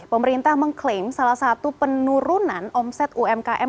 pemerintah mengklaim salah satu penurunan omset umkm